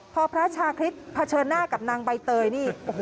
พอพระชาคริสเผชิญหน้ากับนางใบเตยนี่